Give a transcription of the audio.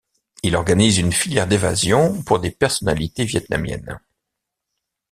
Il organise une filière d'évasion pour des personnalités vietnamiennes.